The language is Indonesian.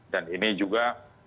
dan ini juga